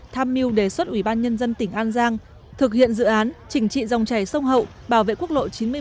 tham mưu đề xuất ủy ban nhân dân tỉnh an giang thực hiện dự án chỉnh trị dòng chảy sông hậu bảo vệ quốc lộ chín mươi một